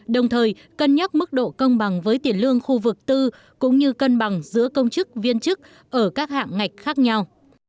đồng thời cân nhắc mức độ công bằng với tiền lương khu vực tư cũng như cân bằng giữa công chức viên chức ở các hạng ngạch khác nhau